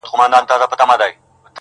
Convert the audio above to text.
چي سُجده پکي، نور په ولاړه کيږي,